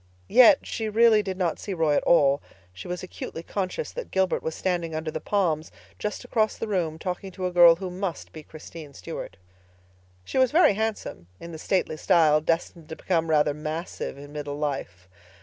Yet she really did not see Roy at all. She was acutely conscious that Gilbert was standing under the palms just across the room talking to a girl who must be Christine Stuart. She was very handsome, in the stately style destined to become rather massive in middle life.